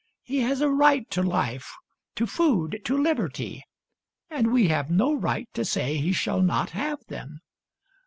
, He has a right to life, to food, to liberty; and we have no right to say he shall not have them.